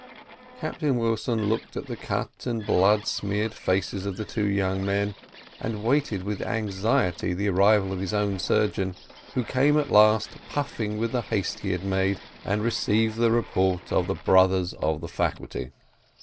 Captain Wilson looked at the cut and blood smeared faces of the two young men, and waited with anxiety the arrival of his own surgeon, who came at last, puffing with the haste he had made, and received the report of the brothers of the faculty.